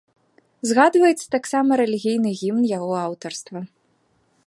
Згадваецца таксама рэлігійны гімн яго аўтарства.